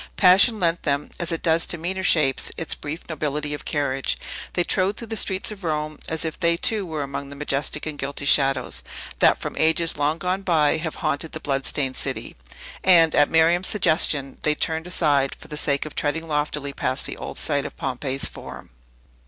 Passion lent them (as it does to meaner shapes) its brief nobility of carriage. They trod through the streets of Rome, as if they, too, were among the majestic and guilty shadows, that, from ages long gone by, have haunted the blood stained city. And, at Miriam's suggestion, they turned aside, for the sake of treading loftily past the old site of Pompey's Forum.